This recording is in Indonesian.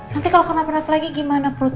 nanti kalau kena menaf lagi gimana perut